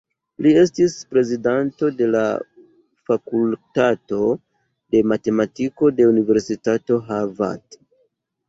Li estis prezidanto de la fakultato de matematiko de Universitato Harvard.